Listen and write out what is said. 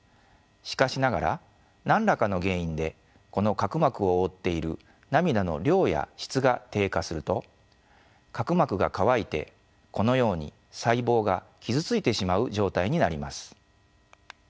しかしながら何らかの原因でこの角膜を覆っている涙の量や質が低下すると角膜が乾いてこのように細胞が傷ついてしまう状態になります。